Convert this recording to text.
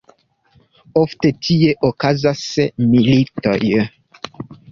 Ofte tie okazas militoj.